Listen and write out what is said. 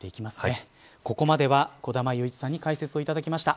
ここまでは小玉祐一さんに解説いただきました。